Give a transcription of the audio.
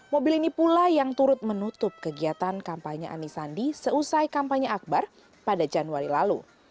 mobil ini pula yang turut menutup kegiatan kampanye anies sandi seusai kampanye akbar pada januari lalu